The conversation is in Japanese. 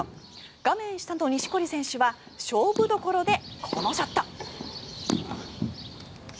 画面下の錦織選手は勝負どころでこのショット。